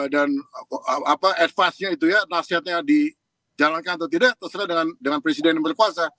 dan advance nya itu ya nasihatnya dijalankan atau tidak terserah dengan presiden yang berkuasa